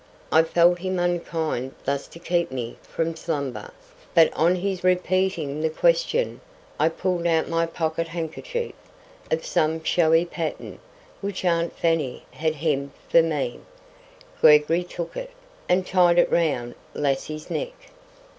I felt him unkind thus to keep me from slumber, but on his repeating the question, I pulled out my pocket handkerchief, of some showy pattern, which Aunt Fanny had hemmed for me—Gregory took it, and tied it round Lassie's neck.